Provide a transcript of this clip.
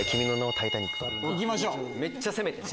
めっちゃ攻めて。